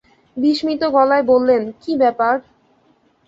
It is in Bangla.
বিস্মিত গলায় বললেন, কী ব্যাপার?